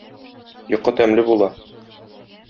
Йокы тәмле була.